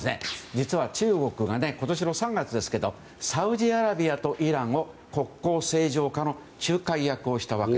実は中国が今年の３月ですけどサウジアラビアとイランを国交正常化の仲介役をしました。